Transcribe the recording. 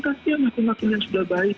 kan kasihan makin makin yang sudah baik